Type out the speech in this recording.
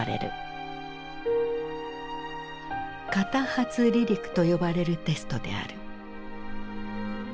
片発離陸と呼ばれるテストである。